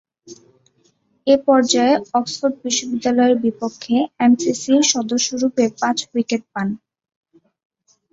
এ পর্যায়ে অক্সফোর্ড বিশ্ববিদ্যালয়ের বিপক্ষে এমসিসি’র সদস্যরূপে পাঁচ উইকেট পান।